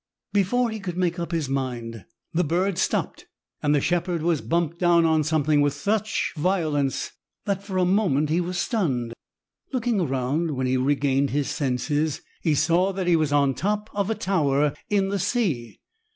Before he could make up his mind, the bird stopped, and the shepherd was bumped down on something with such violence that for a moment he was stunned. Looking around, when he regained his senses, he saw that he was on the top of a tower in the sea.